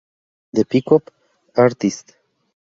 The Pickup Artist.